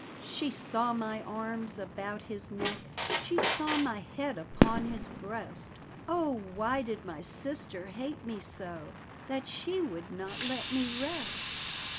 She saw my arms about his neck, She saw my head upon his breast Oh, why did my sister hate me so That she would not let me rest?